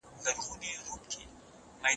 جګړه د متقابلې همکارۍ لپاره خنډ دی.